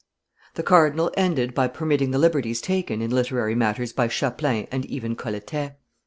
The cardinal ended by permitting the liberties taken in literary matters by Chapelain and even Colletet.